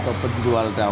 sampai muz decidingh